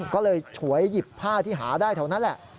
ก็เลยฉวยหยิบผ้าที่หาได้แถวนั้นแหละ